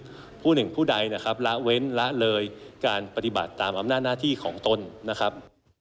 ผู้หนึ่งผู้ใดนะครับละเว้นละเลยการปฏิบัติตามอำนาจหน้าที่ของตนนะครับ